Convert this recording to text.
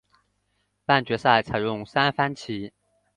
半决赛采用三番棋。